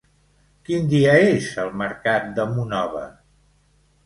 Quin dia és el mercat de Monòver?